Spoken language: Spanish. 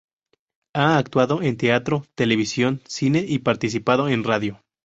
Ha actuado en teatro, televisión, cine y participado en radio.